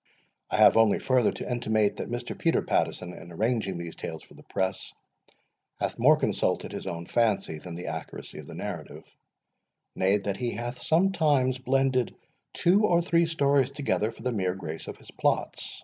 I have only further to intimate, that Mr. Peter Pattieson, in arranging these Tales for the press, hath more consulted his own fancy than the accuracy of the narrative; nay, that he hath sometimes blended two or three stories together for the mere grace of his plots.